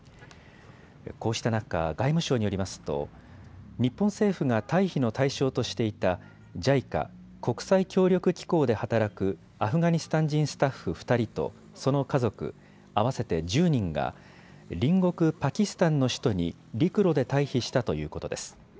こうした中、外務省によりますと日本政府が退避の対象としていたＪＩＣＡ・国際協力機構で働くアフガニスタン人スタッフ２人とその家族合わせて１０人が隣国パキスタンの首都に陸路で退避したということです。